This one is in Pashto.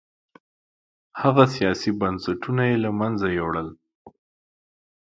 هغه سیاسي بنسټونه یې له منځه یووړل